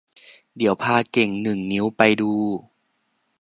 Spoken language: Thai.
เดี๋ยวพาเก่งหนึ่งนิ้วไปดู